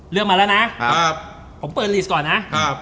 เลือกมาแล้วนะผมเปิดลีสต์ก่อนนะ